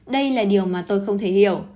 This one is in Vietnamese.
đây là điều mà tôi không thể hiểu